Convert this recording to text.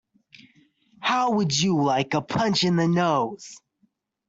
How would you like a punch in the nose?